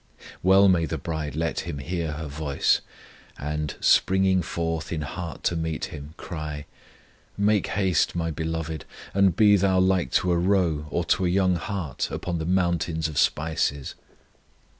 Well may the bride let Him hear her voice, and, springing forth in heart to meet Him, cry: Make haste, my Beloved, And be Thou like to a roe or to a young hart Upon the mountains of spices!